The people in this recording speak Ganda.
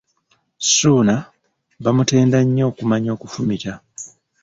Ssuuna bamutenda nnyo okumanya okufumita.